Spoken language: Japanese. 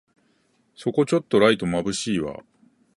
そこちょっとライトまぶしいわ